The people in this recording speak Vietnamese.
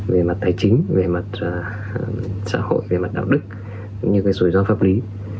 về mặt tài chính về mặt xã hội về mặt đạo đức những cái rủi ro pháp lý